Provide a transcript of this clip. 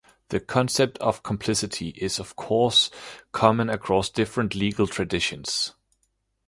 The concept of complicity is, of course, common across different legal traditions.